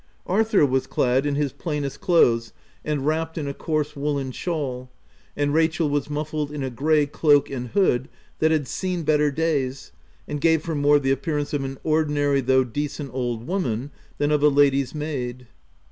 Arthur was clad in his plainest clothes, and wrapped in a coarse woollen shawl ; and Rachel was muffled in a grey cloak and hood that had seen better days, and gave her more the appear ance of an ordinary, though decent old woman, than of a lady's maid.